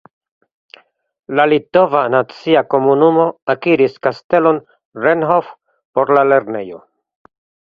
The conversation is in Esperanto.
La Litova Nacia Komunumo akiris Kastelon Rennhof por la lernejo.